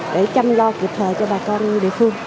để chăm lo kịp thời cho bà con địa phương